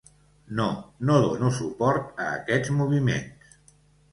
No, no dono suport a aquests moviments.